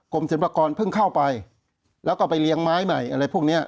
ศิลปากรเพิ่งเข้าไปแล้วก็ไปเลี้ยงไม้ใหม่อะไรพวกนี้